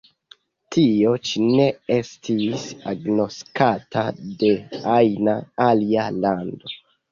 Tio ĉi ne estis agnoskata de ajna alia lando.